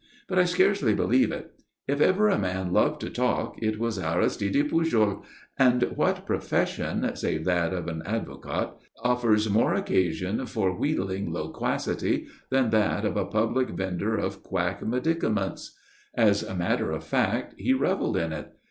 But I scarcely believe it. If ever a man loved to talk, it was Aristide Pujol; and what profession, save that of an advocate, offers more occasion for wheedling loquacity than that of a public vendor of quack medicaments? As a matter of fact, he revelled in it.